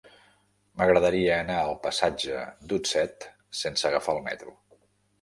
M'agradaria anar al passatge d'Utset sense agafar el metro.